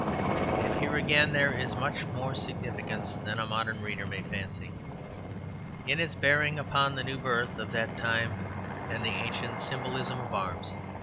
And here again there is much more significance than a modern reader may fancy, in its bearing upon the new birth of that time and the ancient symbolism of arms.